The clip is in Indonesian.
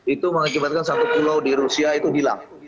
itu mengakibatkan satu pulau di rusia itu hilang